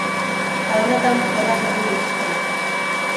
Tabernetan porrak egin dituztelako.